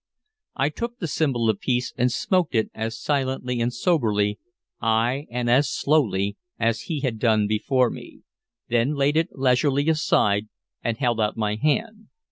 I took the symbol of peace, and smoked it as silently and soberly ay, and as slowly as he had done before me, then laid it leisurely aside and held out my hand.